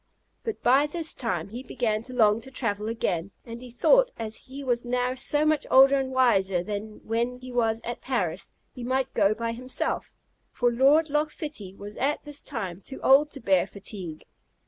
But by this time he began to long to travel again; and he thought, as he was now so much older and wiser than when he was at Paris, he might go by himself, for Lord Loch Fitty was at this time too old to bear fatigue.